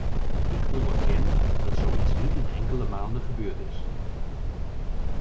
Ik onderken dat zoiets niet in enkele maanden gebeurd is.